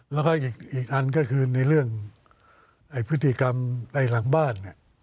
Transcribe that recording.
แล้วก็อีกอันก็คือในเรื่องพฤติกรรมไอ้หลังบ้าน